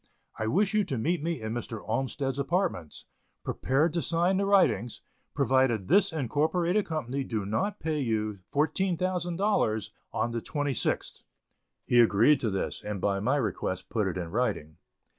I wish you to meet me in Mr. Olmsted's apartments, prepared to sign the writings, provided this incorporated company do not pay you $14,000 on the 26th." He agreed to this, and by my request put it in writing.